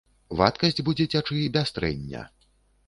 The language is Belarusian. Вадкасць будзе цячы без трэння.